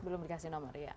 belum dikasih nomor iya